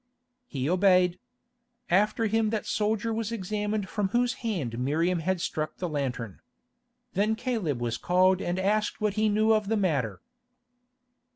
He obeyed. After him that soldier was examined from whose hand Miriam had struck the lantern. Then Caleb was called and asked what he knew of the matter.